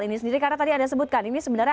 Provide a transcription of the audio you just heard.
ini sendiri karena tadi anda sebutkan ini sebenarnya